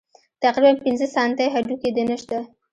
تقريباً پينځه سانتۍ هډوکى دې نشته.